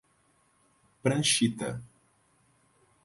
Pranchita